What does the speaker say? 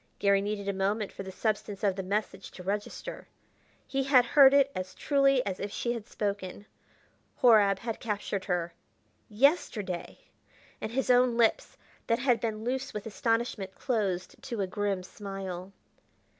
Garry needed a moment for the substance of the message to register. He had heard it as truly as if she had spoken: Horab had captured her yesterday!... And his own lips that had been loose with astonishment closed to a grim smile.